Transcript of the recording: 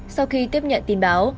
sau khi tiếp nhận tin báo